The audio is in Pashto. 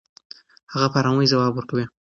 هغه په ارامۍ ځواب ورکوي.